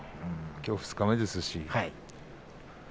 きょう二日目ですし。